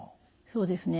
そうですね。